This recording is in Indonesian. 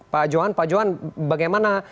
pak joan pak joan bagaimana